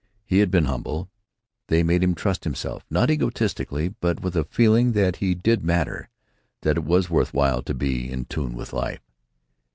He had been humble. They made him trust himself, not egotistically, but with a feeling that he did matter, that it was worth while to be in tune with life.